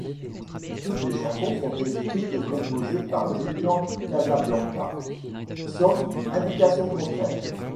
Toutes les chansons sont écrites et composées par Julian Casablancas sauf indication contraire.